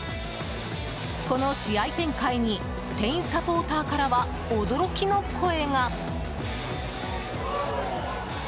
この試合展開にスペインサポーターからは驚きの声が。